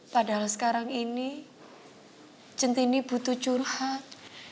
padahal sekarang ini centini butuh curhat